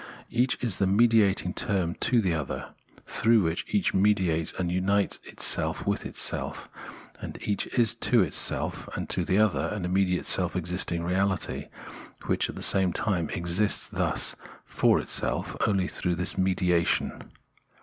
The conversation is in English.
Each is the mediating term to the other, through which each mediates and unites itself with itself ; and each is to itself and to the other an immediate self existing reahty, which, at the same time, exists thus for itself only through this mediation.